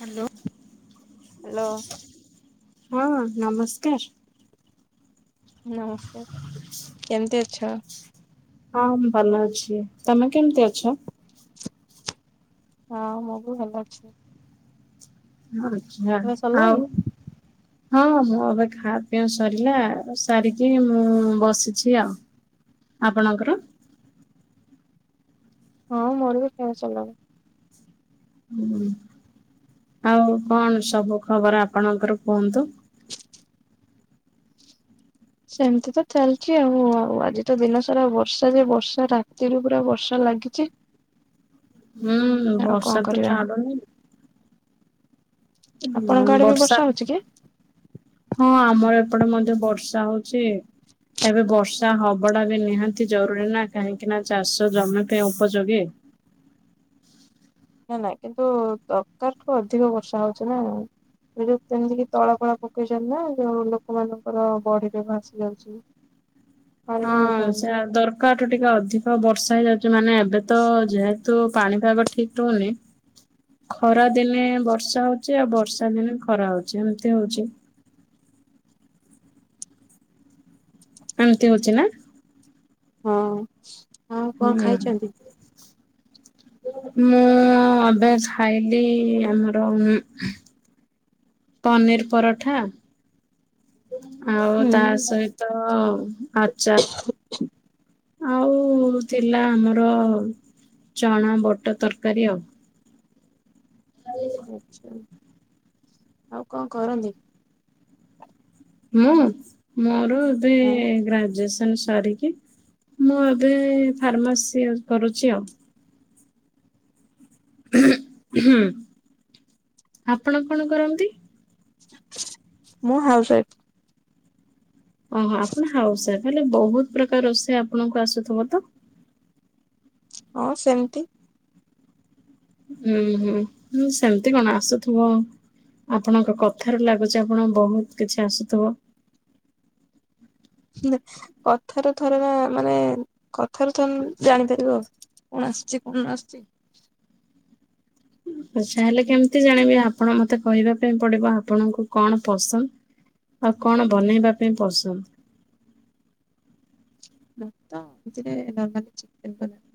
Hello hello ହଁ ନମସ୍କାର। ନମସ୍କାର କେମତି ଅଛ? ହଁ ମୁଁ ଭଲ ଅଛି ତମେ କେମିତି ଅଛ? ହଁ! ଭଲ ଅଛି। ତମେ ସରିଲାଣି? [inaudible] [unintelligible] ହଁ! ଏବେ ଖା-ପିଅ ସରିଲା, ସାରିକି ବସିଛି ଆଉ। ଆପଣ ଙ୍କ ହଁ! ମୋର ବି ଖାଇବା ସଲାଣି। ଆଉ କ'ଣ ସବୁ ଖବର୍, ଆପଣଙ୍କର କୁହନ୍ତୁ? ସେମ୍ତିତ ଚାଲ୍ଚି ଆଉ, ଆଜି ତ ଦିନ ସାରା ବର୍ଷା ଯେ ବର୍ଷା। ରାତିରୁ ପୁରା ବର୍ଷା ଲାଗି [inaudible] ହୁଁ, ବର୍ଷା ତ ଛାଡୁନି। ଆପଣଙ୍କ ଆଡେ ବି ବର୍ଷା ହଉଛି କି? [inaudible] ହଁ! ଆମର ଏପଟେ ମଧ୍ୟ ବର୍ଷା ହଉଚି। ଏବେ ବର୍ଷା ହବଡା ବି ନିହାତି ଜରୁରୀ ନା, କାହିଁକି ନା ଚାଷ ଜମି ପାଇଁ ଉପଯୋଗୀ। ନା ନା, କିନ୍ତୁ ଦରକାର୍ ଠୁ ଅଧିକ ବର୍ଷା ହଉଚି ନା। ଏଯଉ ତଳପଳା ପକେଇଚନ୍ତି ନା, ଯଉ ଲୋକମାନଙ୍କ ର ବଢ଼ି ରେ ଭାସି ଯାଉଚି। ହଁ! ସେ ଦରକାର୍ ଠୁ ଟିକେ ଅଧିକ ବର୍ଷା ହେଇଯା ମାନେ, ଏବେ ତ ଯେହେତୁ ପାଣିପାଗ ଠିକ୍ ରହୁନି। ଖରା ଦିନେ ବର୍ଷା ହଉଚି, ଆଉ ବର୍ଷା ଦିନେ ଖରା ହଉଚି ଏମ୍ତି ହଉଚି। ଏମ୍‌ତି ହଉଚି ନା। ହଁ! ଆଉ କ'ଣ ହୁଁ ଖାଇଚନ୍ତି? ମୁଁ ଅବେ ଖାଇଲି ଆମ୍ର ପନିର୍ ପରଠା। ଆଉ ହୁଁ ତା'ସହିତ ଆଚାର୍ ଆଉ ଥିଲା, ଆମ୍ର ଚଣା ବଟ ତରକାରୀ ଆଉ। ଆ ଆଉ ଙ୍କ କରନ୍ତି? ମୋର ଏବେ ଗ୍ରାଜୁଏ ମୁଁ ଏବେ ଫାର୍ମାସି କରୁଚି ଆଉ ଆପଣ କ'ଣ କରନ୍ତି? ମୁଁ ହାଉସ୍‌ ୱାଇପ୍। ଓହୋ! ଆପଣ ହାଉସ୍‌ ୱାଇପ୍, ହେଲେ ବହୁତ୍ ପ୍ରକାର୍ ରୋଷେଇ ଆପଣଙ୍କୁ ଆସୁଥୁବ ତ? ହଁ! ସେମ୍ତି ଉଁ ହୁଁ, ସେମ୍ତି କ'ଣ ଆସୁଥୁବ? ଆପଣଙ୍କ କଥାରୁ ଲାଗୁଚି, ଆପଣ ବହୁତ୍ କିଛି ଆସୁ--ବ। [inaudible] [inaudible] ହେଲେ କେମ୍ତି ଜାଣିବି? ଆପଣ ମତେ କହିବା ପାଇଁ ପଡିବ, ଆପଣଙ୍କୁ କ'ଣ ପସନ୍ଦ୍। ଆଉ କ'ଣ ବନେଇବା ପାଇଁ ପସନ୍ଦ୍? [inaudible]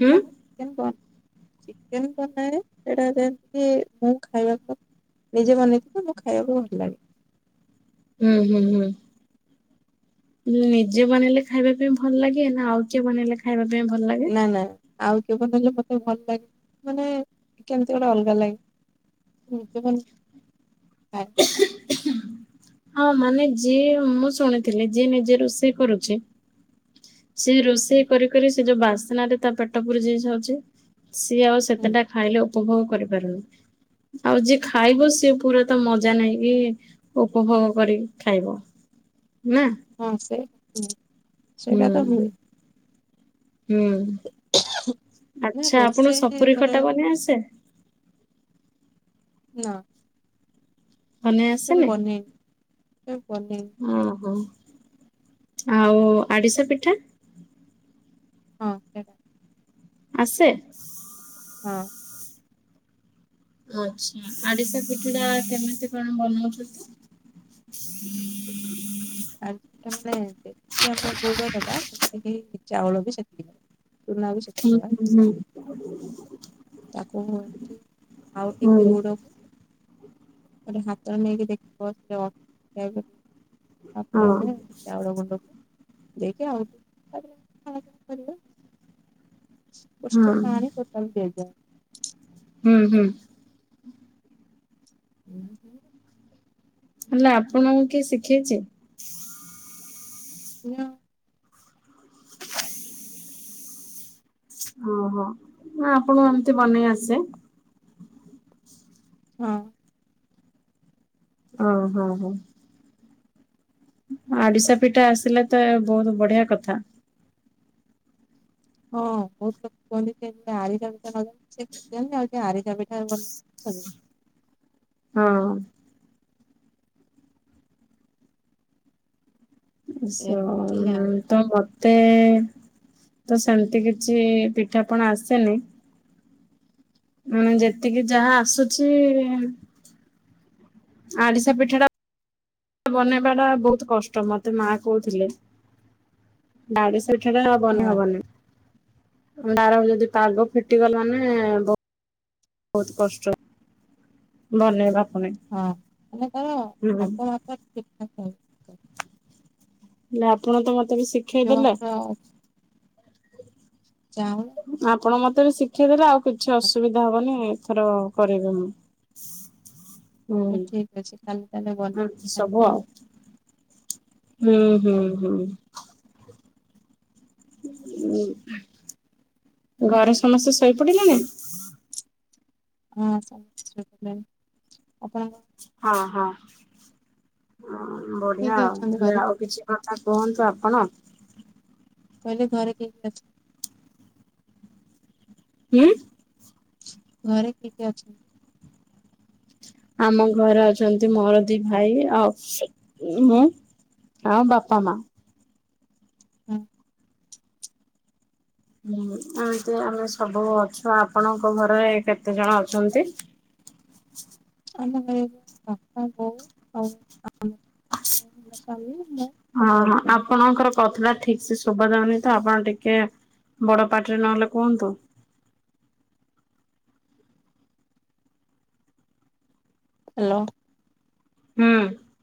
ହୁଁ [inaudible] ନିଜେ ବନେଇ ତ, ମୁଁ ଖାଇବାକୁ ଭଲ୍‌ ଲାଗେ। [inaudible] ନିଜେ ବନେଇଲେ ଖାଇବା ପାଇଁ ଭଲ୍‌ ଲାଗେ? ନା ଆଉ କିଏ ବନେଇଲେ ଖା ଖାଇବା ପାଇଁ ଭଲ୍ ଲା ନା ନା ଆଉ କିଏ ବନେଇଲେ ମତେ ଭଲ ଲା, ମାନେ କେମ୍ତି ଗୋଟେ ଅଲଗା ଲା ଁ ତ ଆ ହଁ! ମାନେ ଯିଏ ମୁଁ ଶୁଣିଥିଲି, ଯିଏ ନିଜେ ରୋଷେଇ କରୁ ସେ, ହୁଁ ରୋଷେଇ କରି କରି ସେ ଯଉ ବାସ୍ନାରେ ତା' ପେଟ ପୁରି---ଯାଉଚି। ସିଏ ଆଉ ହୁଁ ସେତେଟା ଖାଇଲେ ଉପଭୋଗ କରିପାରୁନି। ଆଉ ଯିଏ ଖାଇବ ସିଏ ପୁରା ତ ମଜା ନେଇକି ଉପଭୋଗ କରିକି ଖାଇବ ନା? ହଁ ସେ ହୁଁ ହୁଁ ସେଇଟା ତ ହୁଏ। ହୁଁ ନା ଆଚ୍ଛା ଆପଣଙ୍କୁ ରୋଷେଇ ସପୁରୀ ଘରେ ଖଟା ବନେଇ ଆସେ? ନା। ବନେଇ କେବେ ଆସେନି? ବନେଇନି କେବେ ବନେଇନି। ଓହୋ ଆଉ ଆଡିଶା ପିଠା? ହଁ ସେଇଟା ଆସେ? ହଁ। ଆଚ୍ଛା ଆଡିଶା ପିଠାଟା କେମିତି କଣ ବନଉଛନ୍ତି? ଆ [unintelligible] ପିଠା ମାନେ ଯେତିକି ଆମର ଗୁଡ ଦବା ସେତିକି ଚାଉଳ ବି ସେତିକି ଦବା‌। ହୁଁ ହୁଁ ହୁଁ। ତାକୁ କୁହନ୍ତି ଆଉ ହଁ ଟିକେ ଗୁଡ ଗୋଟେ ହାତରେ ନେଇକି ଦେଖିବ ସେ ଅ ସେଇଆକୁ। ତାପରେ ଆମେ ହଁ। ଚାଉଳ ଗୁଣ୍ଡକୁ ଦେଇକି ଆଉ [inaudible] କରିବା। [unintelligible] ପାଣି ଟୋଟାଲ୍ ଦିଆଯାଏ। ହୁଁ ହୁଁ। ହୁଁ ହୁଁଁ। ହେଲା ଆପଣଙ୍କୁ କିଏ ଶିଖେଇଛି? [inaudible] ଓହୋ ନା ଆପଣଙ୍କୁ ଏମତି ବନେଇ ଆସେ? ହଁ। ଓ ହୋ ହୋ। ଆଡିଶା ପିଠା ଆସିଲେ ତ ବହୁତ ବଢିଆ କଥା। ହଁ ବହୁତ ଲୋକ କୁହନ୍ତି ଯେ ତତେ ଆରିଷା ପିଠା [unintelligible] ଶିଖିଚନ୍ତି ଆଉ ସେ ଆରିଶା ପିଠା ବନେଇ ସବୁବେଳେ। ହଁ। ଉ ସ ଏମିତି ଉଁ ଆଉ ତ ମତେ ତ ସେମତି କିଛି ପିଠା ପଣା ଆସେନି। ମାନେ ଯେତିକି ଯାହା ଆସୁଛି ଆରିସା ପିଠା ଟା ବନେଇବା ଟା ବହୁତୁ କଷ୍ଟ ମତେ ମାଆ କହୁଥିଲେ। ଆରିସା ପିଠାଟା ବନେଇ ହଁ। ହବନି ତାର ଯଦି ପାଗ ଫିଟିବ ମାନେ ବ ବହୁତ କଷ୍ଟ ବନେଇବା। ପୁଣି। ହଁ ମାନେ ତାର ହୁଁ ଭାଗ ମାପ ଠିକ୍ ଠାକ୍ [inaudible] ହେଲେ ଆପଣ ତ ମତେ ବି ଯୋଉ ଶିଖେଇଦେଲେ। ଆମର ଚାଉଳ ଆପଣ ମତେ ବି ଶିଖେଇ ଦେଲେ ଆଉ କିଛି ଚାଉଳ ଅସୁବିଧା ହବନି। ଏଥରକ କରିବି ମୁଁ। ଠିକ ଅଛି କାଲି ତାହେଲେ ହୁଁ ବନେଇକି [unintelligible] ସବୁ ଖାଇବେ ଆଉ। ହୁଁ ହୁଁ ହୁଁ। ଉ ଘରେ ସମସ୍ତେ ଶୋଇ ପଡିଲେଣି? ହଁ ସମସ୍ତେ ଶୋଇ ପଡେଲେଣି ଆପଣଙ୍କ ହଁ ହଁ ଅଁ କିଏ ବଢିଆ କିଏ ଆଉ ଅଛନ୍ତି ହେଲେ ଘରେ? ଆଉ କିଛି କଥା କୁହନ୍ତୁ ଆପଣ। କହିଲି ଘରେ କିଏ କିଏ ଅଛ ଉଁ? ଘରେ କିଏ କିଏ ଅଛ ଆମ ଘରେ ଅଛନ୍ତି ମୋର ଦି ଭାଇ ଆଉ ମୁଁ। ଆଉ ବାପା ମା। ହୁଁ। ହୁଁ ଏମିତି ଆମେ ସବୁ ଅଛୁ ଆପଣଙ୍କ ଘରେ କେତେ ଜଣ ଅଛନ୍ତି? ଆମ ଘରେ ବାପା ବୋଉ ଆଉ ଆମେ ସ୍ବାମୀ ହଁ ହଁ ଆପଣ କଥାଟା ଠିକ ସେ ଶୁଭା ଯାଉନି ତ ଆପଣ ଟିକେ ବଡ ପାଟିରେ ନହେଲେ କୁହନ୍ତୁ। ହାଲୋ। ହୁଁ ହଁ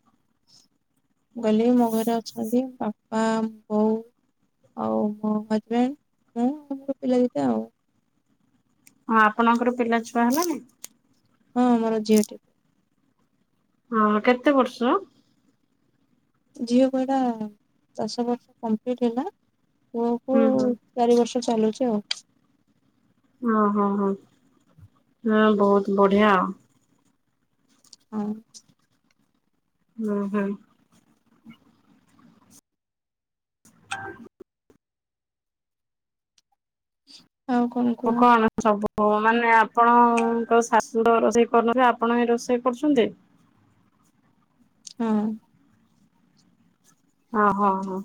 ମୁଁ କହିଲି ମୋ ଘରେ ଅଛନ୍ତି ବାପା ବୋଉ ଆଉ ମୋ ହଜବେଣ୍ଡ ମୁଁ ଆଉ ମୋର ପିଲା ଦିଟା ଆଉ। ହଁ ଆପଣଙ୍କର ପିଲା ଛୁଆ ହେଲାନି? ହଁ ମୋର ଝିଅଟି ହଁ କେତେ ବର୍ଷ? ଝିଅକୁ ଏଟା ଦଶ ବର୍ଷ କମ୍ପ୍ଲିଟ ହେଲା ପୁଅକୁ ହୁଁ ହୁଁ ଚାରି ବର୍ଷ ଚାଲୁଚି ଆଉ। ୱ ହୋ ହୋ ହଁ ବହୁତ ବଢିଆ ଆଉ। ହଁ। [unintelligible] [inaudible] ଆଉ କଣ? ଓ କୁହ କନ ସବୁ ମାନେ ଆପଣଙ୍କ ଶାଶୁ ରୋଷେଇ କରୁନଥିଲେ ଆପଣ ହିଁ ରୋଷେଇ କରୁଛନ୍ତି ଯେ ହଁ। ହଁ ହଁ ହଁ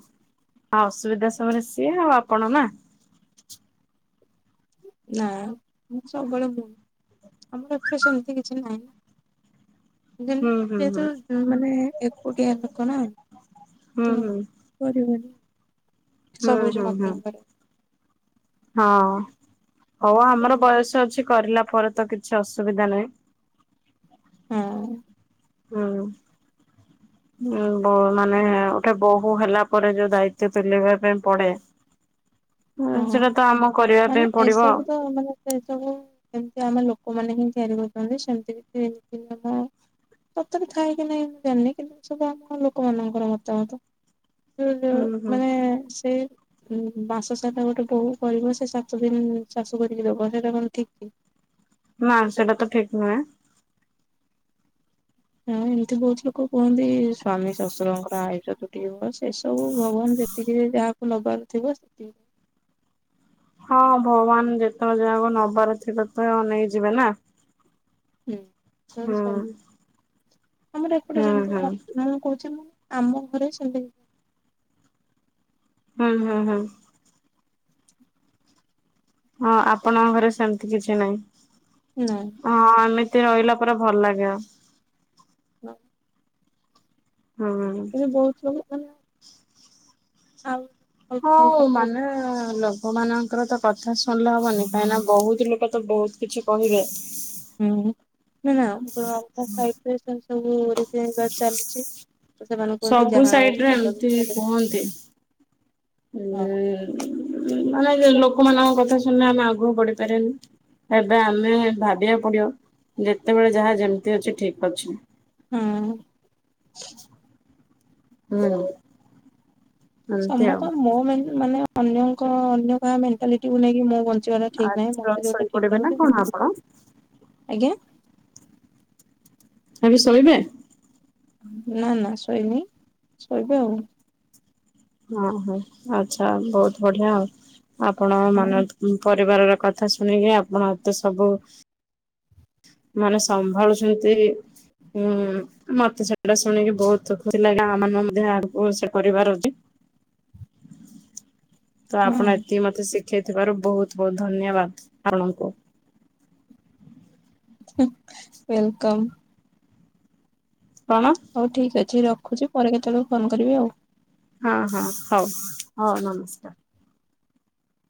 ଆଉ ଅସୁବିଧା ସମୟରେ ସିଏ ଆଉ ଆପଣ ନା ନା ମୁ ସବୁବେଳେ ମୁ ଆମର ଏପଟେ ସେମତି କିଛି ନାହିଁ ନାଇ। ହୁଁ ହୁଁ ହୁଁ [unintelligible] ମାନେ ଏକୁଟିଆ ଲୋକ ନା ହୁଁ ତ ହୁଁ। କରିବନି ହୁଁ ହୁଁ ସବୁଜ ହୁଁ ମତେ ହିଁ କହିଲ ହଁ ହଉ ଆମର ବୟସ ଅଛି କରିଲା ପରେ ତ କିଛି ଅସୁବିଧା ନାହିଁ। ହଁ। ହୁଁ। ଉଁ ବ ମାନେ ଗୋଟେ ବୋହୁ ହେଲା ପରେ ଯୋଉ ଦାୟିତ୍ଵ ତୁଲେଇବା ପାଇଁ ପଡେ [inaudible] ହୁଁ ହଁ ସେଟା ତ ଆମ କରିବା ମାନେ ପାଇଁ ପଡିବ ଆଉ। ଏସବୁ ତ ମାନେ ସେ ସବୁ ଯେମତି ଆମ ଲୋକମାନେ ହିଁ ତିଆରି କରୁଛନ୍ତି ସେମିତି କିଛି [unintelligible] ସତରେ ଥାଏ କି ନାଇଁ ମୁଁ ଜାନନି କିନ୍ତୁ ଏ ସବୁ ଆମ ଲୋକମାନଙ୍କର ମତାମତ। ହୁଁ [unintelligible] ହୁଁ ମାନେ ସେ ବାସ ସହିତା ଗୋଟେ ବୋହୁ ପରିବ ସେ ସାତ ଦିନ ଚାଷ କରିକି ଦେବ ହେରା କଣ ଠିକ୍ ନା ସେଟା ତ ଠିକ୍ ନୁହେଁ। ହଁ ଏମିତି ବହୁତ ଲୋକ କୁହନ୍ତି ସ୍ଵାମୀ ଶ୍ୱଶୁରଙ୍କ ପାଇଁ ଆୟୁଷ ଟିବ ସେ ସବୁ ଭଗବାନ ଯେତିକି ଯାହାକୁ ନବାର ଥିବ ସେତିକି ହଁ ଭଗବାନ ଯେତେବେଳେ ଜାଗାକୁ ନବାର ଥିବ ଅ ନେଇ ଯିବେ ନା। ହୁଁ ହୁଁ [unintelligible] ଆମର ଏପଟେ ହୁଁ ଯେମତି ହୁଁ ମୁଁ ମୁଁ କହୁଛି ମୁଁ ଆମ ଘରେ ଚଲେଇ ହୁଁ ହୁଁ ହୁଁ। ହଁ ଆପଣଙ୍କ ଘରେ ସେମତି କିଛି ନାଇ। ହୁଁ ନା ହଁ ଏମିତି ରହିଲା ପରେ ଭଲ ଲାଗେ ଆଉ। ମୁଁ ଓହୋ। କିୁ ବହୁତ ସବୁ ଆଉ ହଁ ଅଲଗା ଅଲଗା ଟାଇପ ମାନେ ଲୋକ ମାନଙ୍କର ତ କଥା ଶୁଣିଲେ ହବନି କାହିଁକି ନା ବହୁତ ଲୋକ ତ ବହୁତ କିଛି କହିବେ। [unintelligible] ସେମାନେ କୁହନ୍ତି ସବୁ ଯାହା ହଉ ସାଇଡରେ ସାତ ଏମିତି ଦିନରେ କୁହନ୍ତି। ହଁ ହୁଁ। ମାନେ ଲୋକମାନଙ୍କ କଥା ଶୁଣିଲେ ଆମେ ଆଗକୁ ବଢିପାରନି। ଏବେ ଆମେ ଭାବିବାକୁ ପଡିବ ଯେତେବେଳେ ଯାହା ଯେମିତି ଅଛି ଠିକ ଅଛି। ହଁ। ହୁଁ। ଏମିତି ଆଉ। ସମସ୍ତ ମୋ ମାନେ ଅନ୍ୟଙ୍କ ଅନ୍ୟ କାହା ମେଣ୍ଟାଲିଟିକୁୁ ନେଇକି ମୁଁ ବନ୍ ଞ୍ଚିବା ଟା ଠିକ ନାହିଁ ଆଛା ମତେ ଯଉଟା ଠିକ ଶୋଇପଡିବେ ନା ଲାଗୁଛି କଣ ଆପଣ ମୁଁ ଆଜ୍ଞା। ଭ ବି ଶୋଇବେ? ନା ନା ଶୋଇନି ଶୋଇବେ ଆଉ। ଓ ହୋ ଆଚ୍ଛା ବହୁତ ବଢିଆ ଆଉ ଆପଣ ମାନ ହଁ ପରିବାର ର କଥା ଶୁଣିକି ଆପଣ ତ ସବୁ ମାନେ ସମ୍ଭାଳୁଛନ୍ତି ଉଁ ମତେ ସେଟା ଶୁଣିକି ବହୁତ ଖୁସି ଲାଗେ ଜଗାଁ ମାନଙ୍କୁ ମଧ୍ୟ ଆଗକୁ ସେ କରିବାର ଅଛି ତ ହଁ ଆପଣ ଏତିକି ମତେ ଶିଖେଇଥିବାରୁ ବହୁତ ବହୁତ ଧନ୍ୟବାଦ ଆପଣଙ୍କୁ। ୱେଲକମ୍। କଣ? ହଉ ଠିକ୍ ଅଛି ରଖୁଛି ପରେ କେତେବେଳକୁ ଫୋନ କରିବି ଆଉ। ହଁ ହଁ ହଉ ହଉ ନମସ୍କାର।